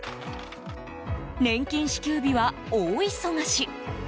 年金支給日は大忙し！